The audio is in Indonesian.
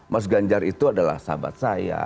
mas ganjar itu adalah sahabat saya